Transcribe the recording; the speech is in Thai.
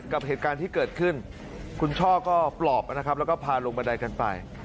กับเหตุการณ์ที่เกิดขึ้นคุณช่อก็ปลอบนะครับแล้วก็พาลงบันไดกันไป